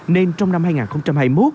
nên trong năm hai nghìn hai mươi một